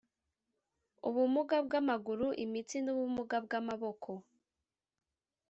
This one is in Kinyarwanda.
ubumuga bw amaguru imitsi n ubumuga bw amaboko